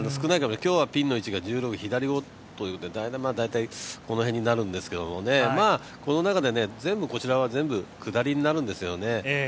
今日はピンの位置が１６、左ということで、大体この辺になるんですけど、この中で全部下りになるんですよね。